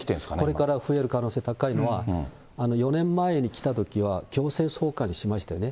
これから増える可能性高いのは、４年前に来たときは強制送還しましたよね。